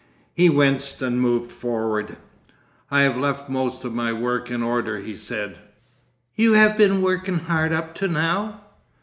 He winced and moved forward. 'I have left most of my work in order,' he said. 'You have been working hard up to now?